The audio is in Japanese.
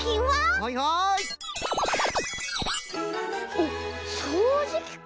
おっそうじきか。